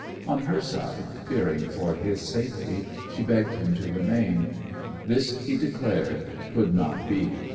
On her side, fearing for his safety, she begged him to remain. This, he declared, could not be.